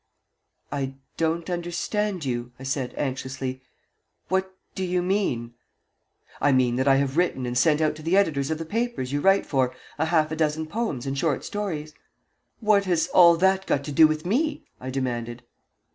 "I don't understand you," I said, anxiously. "What do you mean?" "I mean that I have written and sent out to the editors of the papers you write for a half a dozen poems and short stories." "What has all that got to do with me?" I demanded.